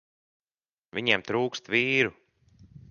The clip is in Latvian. Viņiem trūkst vīru.